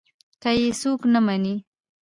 که يې څوک نه مني.